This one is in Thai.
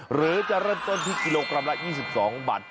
หรือจะเริ่มต้นที่กิโลกรัมละ๒๒บาท